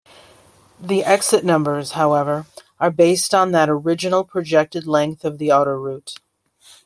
The exit numbers, however, are based on that original projected length of the autoroute.